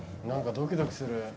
何かドキドキする。